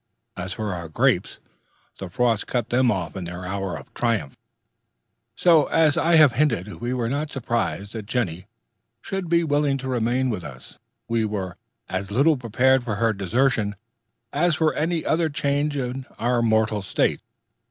As for our grapes, the frost cut them off in the hour of their triumph. So, as I have hinted, we were not surprised that Jenny should be willing to remain with us, and were as little prepared for her desertion as for any other change of our mortal state.